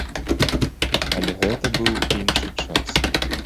Але гэта быў іншы час.